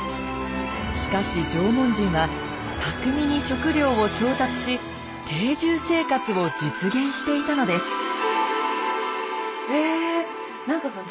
しかし縄文人は巧みに食料を調達し定住生活を実現していたのです。